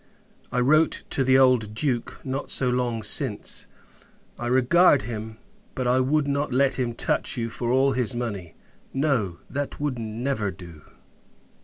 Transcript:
I wrote to the old Duke, not long since. I regard him; but, I would not let him touch you for all his money. No; that would never do!